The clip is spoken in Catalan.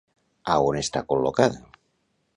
A on està col·locada?